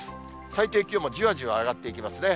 最低気温もじわじわ上がっていきますね。